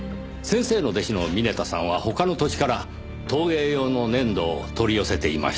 先生の弟子の峰田さんは他の土地から陶芸用の粘土を取り寄せていましてね。